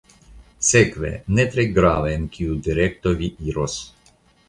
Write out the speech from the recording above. Sekve, ne tre grave en kiu direkto vi iros.